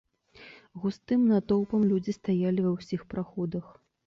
Густым натоўпам людзі стаялі ва ўсіх праходах.